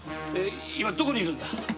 今どこにいるんだ？